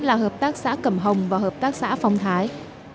là hợp tác xã cẩm hồng và hợp tác xã phong thái